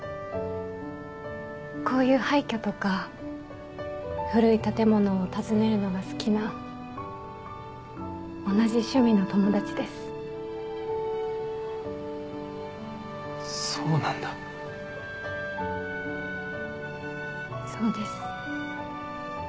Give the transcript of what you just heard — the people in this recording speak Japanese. こういう廃虚とか古い建物を訪ねるのが好きな同じ趣味の友達ですそうなんだそうです